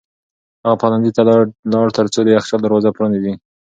هغه پخلنځي ته لاړ ترڅو د یخچال دروازه پرانیزي.